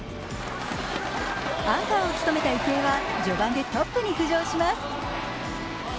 アンカーを務めた池江は序盤でトップに浮上します。